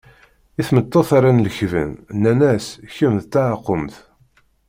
I tmeṭṭut rran lekben nnan-as kemm d taɛkumt.